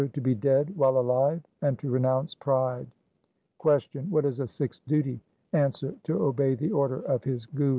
To be dead while alive and to renounce pride. Q. What is a Sikh's duty ? A. To obey the order of his Guru.